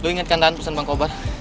lu inget kan tahan pesen bang kobar